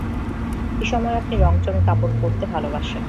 এই সময় আপনি রঙচঙে কাপড় পড়তে ভালবাসেন।